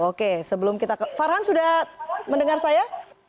oke sebelum kita ke farhan sudah mendengar saya